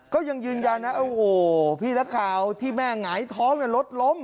ก็ยังยืนยันว่าพี่นักข่าวที่แม่ไหง้ท้องลดล้ม